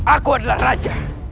aku adalah raja